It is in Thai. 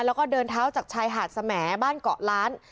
แล้วก็เดินเท้าจากชายหาดสแหมดบ้านเกาะล้าน